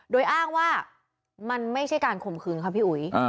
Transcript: โดยอ้างว่ามันไม่ใช่การข่มขืนครับพี่อุ๋ย